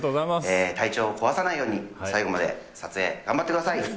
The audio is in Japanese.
体調を壊さないように、最後まで撮影頑張ってください。